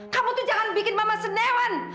kamu tuh jangan bikin mama senewan